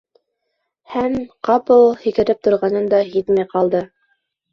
Һәм... ҡапыл һикереп торғанын да һиҙмәй ҡалды.